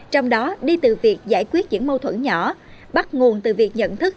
trong đó đi từ việc giải quyết những mâu thuẫn nhỏ bắt nguồn từ việc nhận thức